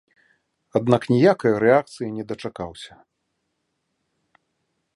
Аднак ніякай рэакцыі не дачакаўся.